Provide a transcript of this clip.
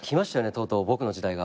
とうとう僕の時代が。